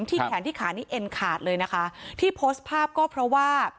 แขนที่ขานี้เอ็นขาดเลยนะคะที่โพสต์ภาพก็เพราะว่า